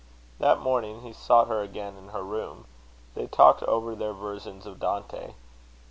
That morning he sought her again in her room. They talked over their versions of Dante.